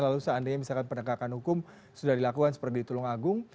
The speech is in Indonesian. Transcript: lalu seandainya misalkan penegakan hukum sudah dilakukan seperti tulung agung